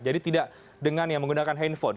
jadi tidak dengan yang menggunakan handphone